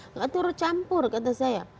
katanya campur kata saya